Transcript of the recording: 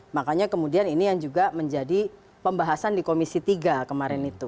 makanya kemudian ini yang juga menjadi pembahasan di komisi tiga kemarin itu